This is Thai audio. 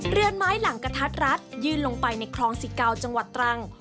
เรือนไม้หลังกระทัดรัดยื่นลงไปในคลองสิเกาจังหวัดตรัง